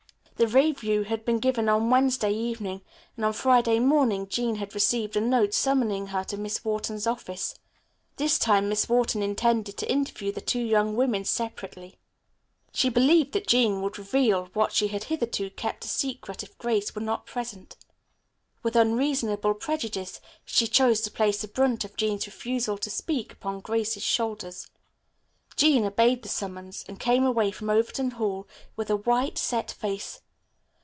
The revue had been given on Wednesday evening, and on Friday morning Jean had received a note summoning her to Miss Wharton's office. This time Miss Wharton intended to interview the two young women separately. She believed that Jean would reveal what she had hitherto kept a secret if Grace were not present. With unreasonable prejudice she chose to place the brunt of Jean's refusal to speak upon Grace's shoulders. Jean obeyed the summons and came away from Overton Hall with a white, set face.